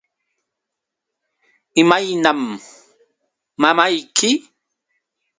¿Imaynam mamayki?